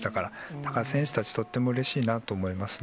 だから選手たち、とってもうれしいなと思いますね。